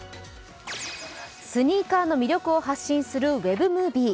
スニーカーの魅力を発信するウェブムービー。